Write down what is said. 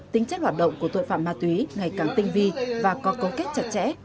tính chất hoạt động của tội phạm ma túy ngày càng tinh vi và có cấu kết chặt chẽ